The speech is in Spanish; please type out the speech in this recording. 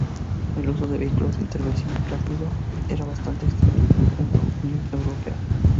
El uso de vehículos de intervención rápida está bastante extendido en la Unión Europea.